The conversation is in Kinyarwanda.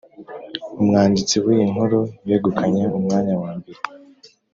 Umwanditsi w’iyi nkuru yegukanye umwanya wa mbere